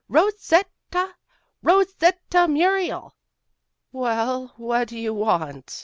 "Ro set ta! Ro set ta Muriel!" "Well, what do you want?"